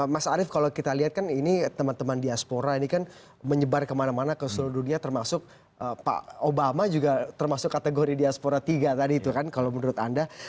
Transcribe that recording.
mas arief kalau kita lihat kan ini teman teman diaspora ini kan menyebar kemana mana ke seluruh dunia termasuk pak obama juga termasuk kategori diaspora tiga tadi itu kan kalau menurut anda